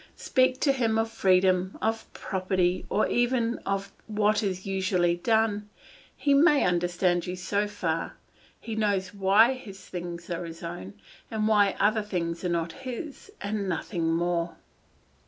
Speak to him of freedom, of property, or even of what is usually done; he may understand you so far; he knows why his things are his own, and why other things are not his, and nothing more.